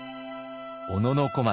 小野小町